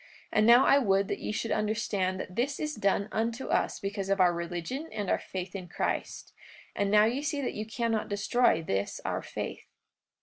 And now I would that ye should understand that this is done unto us because of our religion and our faith in Christ. And now ye see that ye cannot destroy this our faith.